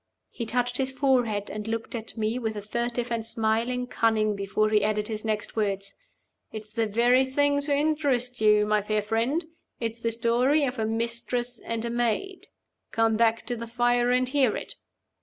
He touched his forehead, and looked at me with a furtive and smiling cunning before he added his next words. "It's the very thing to interest you, my fair friend. It's the story of a Mistress and a Maid. Come back to the fire and hear it."